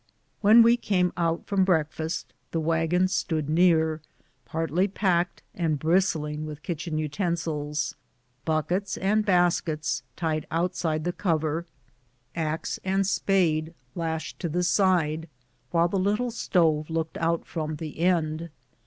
When we came out from breakfast the wagon stood near, partly packed, and bristling with kitchen utensils ; buckets and baskets tied outside the cover, axe and spade lashed to the side, while the little stOve looked out from the end.